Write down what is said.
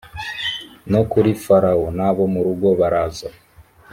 no kuri farawo n abo mu rugo baraza